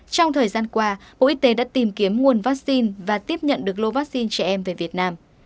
trong thời gian qua bộ y tế đã tìm kiếm nguồn vaccine và tiếp nhận được lô vaccine trẻ em về việt nam